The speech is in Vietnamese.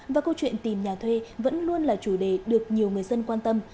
và câu chuyện tìm nhà thuê vẫn luôn là chủ đề được nhiều người dân quan tâm